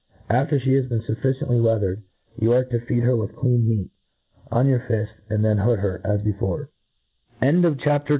After fhe has been fufEcicntly weathered, you are to feed her with clean meat, on your fift, and then to hood her, as before.